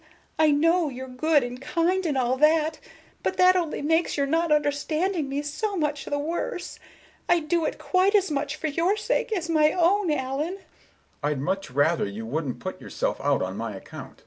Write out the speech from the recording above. I know you're good and kind and all that, but that only makes your not understanding me so much the worse. I do it quite as much for your sake as my own, Allen." Mr. Richards: "I'd much rather you wouldn't put yourself out on my account."